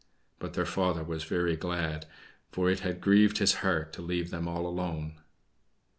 But their father was very glad, for it had grieved his heart to leave them all alone.